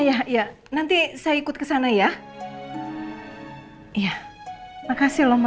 ya allah rasanya aku pengen cepet cepet sampai di vila bener bener nggak kuat ada diantara mereka